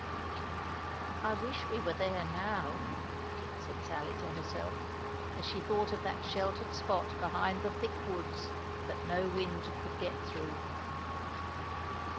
"I wish we were there now," said Sally to herself, as she thought of that sheltered spot behind the thick woods, that no wind could get through.